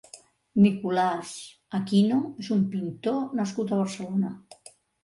Nicolás Aquino és un pintor nascut a Barcelona.